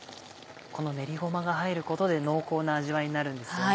この練りごまが入ることで濃厚な味わいになるんですよね。